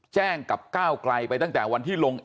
แจ้งกับก้าวไกลไปตั้งแต่วันที่ลง